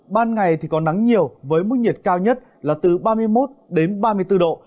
ban ngày thì có nắng nhiều với mức nhiệt cao nhất là từ ba mươi một đến ba mươi bốn độ